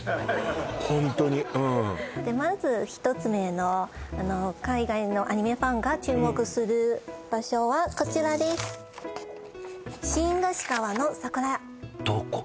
ホントにうんまず１つ目の海外のアニメファンが注目する場所はこちらですどこ？